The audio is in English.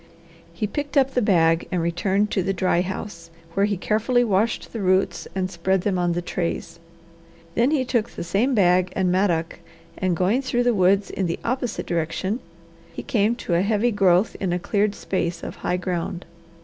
He picked up the bag and returned to the dry house, where he carefully washed the roots and spread them on the trays. Then he took the same bag and mattock and going through the woods in the opposite direction he came to a heavy growth in a cleared space of high ground.